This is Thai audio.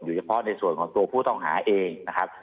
เฉพาะในส่วนของตัวผู้ต้องหาเองนะครับ